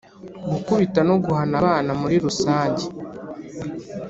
gukubita no guhana abana muri rusange: